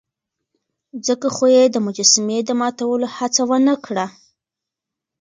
ځکه خو يې د مجسمې د ماتولو هڅه ونه کړه.